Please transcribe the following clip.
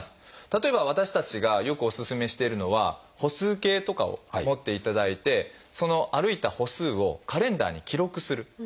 例えば私たちがよくお勧めしているのは歩数計とかを持っていただいてその歩いた歩数をカレンダーに記録する。